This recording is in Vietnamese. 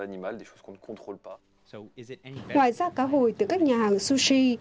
ngoài da cá hồi từ các nhà hàng sushi